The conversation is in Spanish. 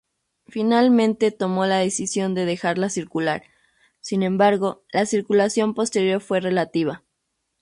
Finalmente tomó la decisión de dejarla circular, sin embargo, la circulación posterior fue relativa.